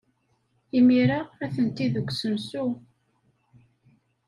Imir-a, atenti deg usensu.